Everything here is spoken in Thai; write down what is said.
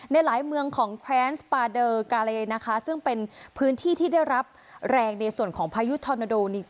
ในหลายเมืองของนะคะซึ่งเป็นพื้นที่ที่ได้รับแรงในส่วนของพายุธอนาโดนี่